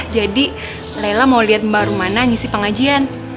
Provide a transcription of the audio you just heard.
jadi laila mau liat mbak rumana ngisi pengajian